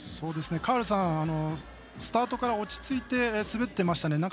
カールさん、スタートから落ち着いて滑ってましたね。